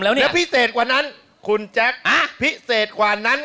แล้วพิเศษกว่านั้นคุณแจ๊คพิเศษกว่านั้น